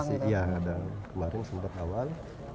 iya dan kemarin sempat awal